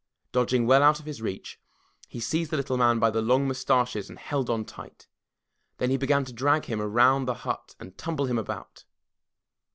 Dodging well out of his reach, he seized the little man by his long mus taches and held on tight. Then he began to drag him around the hut and tumble him about.